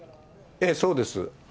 そうです。